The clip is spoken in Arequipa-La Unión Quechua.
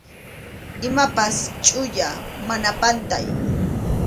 Imapas chʼuya, mana pantay.